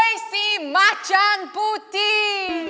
boy si macan putih